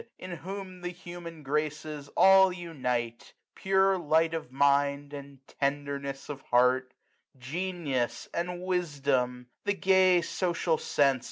In whom the human graces all unite : Pure light of mind, and tenderness of heart j Genius, and wisdom ; the gay social sense.